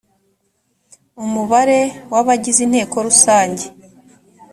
umubare wa by abagize inteko rusange